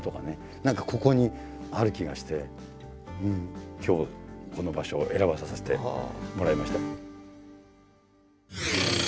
何かここにある気がして今日この場所を選ばさせてもらいました。